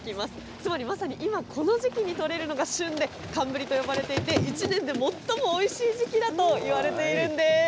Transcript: つまりまさに今この時期に取れるのが旬で、寒ブリと呼ばれていて、１年で最もおいしい時期だといわれているんです。